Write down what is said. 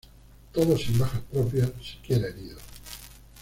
Todo sin bajas propias, siquiera heridos.